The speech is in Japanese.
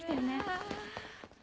あ。